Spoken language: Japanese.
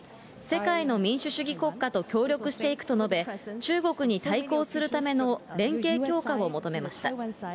世界の民主主義国家と協力していくと述べ、中国に対抗するための連携強化を求めました。